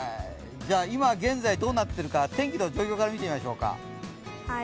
今現在どうなっているか天気の状況から見てみましょうか。